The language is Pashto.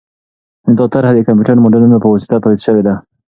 دا طرحه د کمپیوټري ماډلونو په واسطه تایید شوې ده.